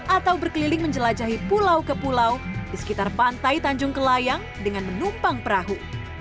atau berkeliling menjelajahi pulau ke pulau di sekitar pantai tanjung kelayang dengan menumpang perahu